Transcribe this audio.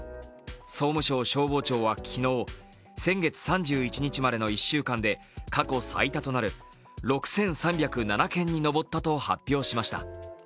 総務省消防庁は昨日、先月３１日までの１週間で過去最多となる６３０７件に上ったと発表しました。